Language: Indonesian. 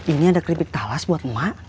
ini ada kripik talas buat